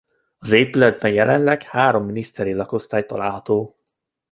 Az épületben jelenleg három miniszteri lakosztály található.